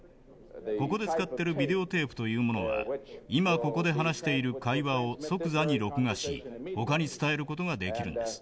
ここで使ってるビデオテープというものは今ここで話している会話を即座に録画しほかに伝える事ができるんです。